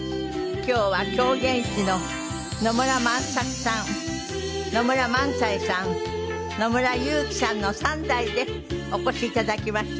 今日は狂言師の野村万作さん野村萬斎さん野村裕基さんの３代でお越し頂きました。